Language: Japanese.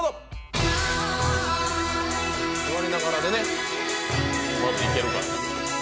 座りながらでいけるか。